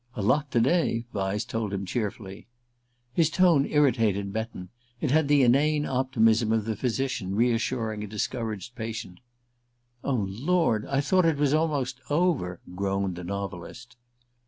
"A lot to day," Vyse told him cheerfully. His tone irritated Betton: it had the inane optimism of the physician reassuring a discouraged patient. "Oh, Lord I thought it was almost over," groaned the novelist.